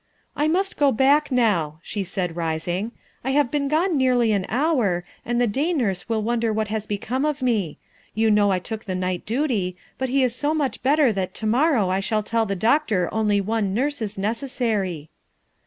'' I must go back now, '' she said, rising. '' I have been gone nearly an hour, and the day nurse will wonder what has become of me. You know I took the night duty, but he is so much better that to morrow I shall tell the doctor only one nurse is necessary."